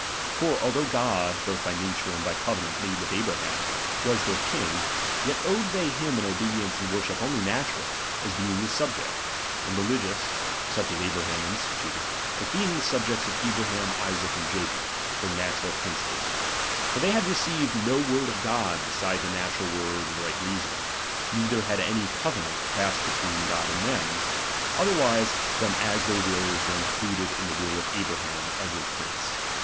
For although God, both by nature ^^^j'^"™,^ and by covenant made with Abraham, was their eiiakiuBrtom. l«ing, yet owed they him an obedience and worship only natural, as being his subjects ; and religious, Buch as Abraham instituted, as being the subjects ^^J of Abraham, Isaac, and Jacob, their natural princes. ^^| T'or they had received no icord of God beside the ^^ natural word of right reason ; neither had any covenant passed between God and them, otherwise than as their wills were included in the will of Abraham, as Xhevc prince.